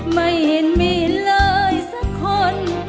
ไม่เห็นมีเลยสักคน